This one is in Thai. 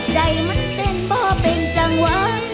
ใจมันเป็นบ่เป็นจังหวะ